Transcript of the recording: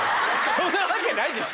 そんなわけないでしょ！